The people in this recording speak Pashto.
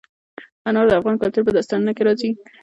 انار د افغان کلتور په داستانونو کې راځي.